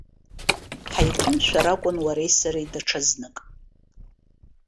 Ҳаиқәымшәар акәын уареи сареи даҽазнык.